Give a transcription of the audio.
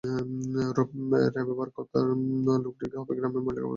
রেবার কথামতো লোকটি হবে গ্রামের, ময়লা কাপড় পরে এসেছে।